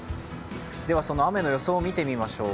その雨の予想を見ていきましょう。